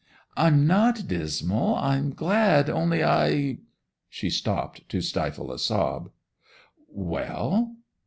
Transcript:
'I'm not dismal, I'm glad; only I—' She stopped to stifle a sob. 'Well?